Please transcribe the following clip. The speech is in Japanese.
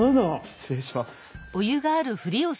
失礼します。